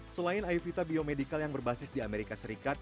selain ayuvita biomedical yang berbasis di amerika serikat